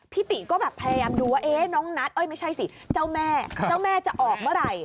ติก็แบบพยายามดูว่าน้องนัทเอ้ยไม่ใช่สิเจ้าแม่เจ้าแม่จะออกเมื่อไหร่